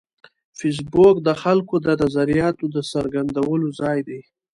فېسبوک د خلکو د نظریاتو د څرګندولو ځای دی